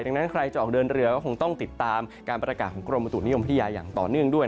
ดังนั้นใครจะออกเดินเรือก็คงต้องติดตามการประกาศของกรมประตุนิยมพัทยาอย่างต่อเนื่องด้วย